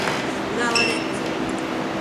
浦和レッズ